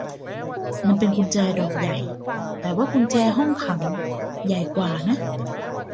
มันเป็นกุญแจดอกใหญ่ แต่ว่ากุญแจห้องขังใหญ่กว่านะ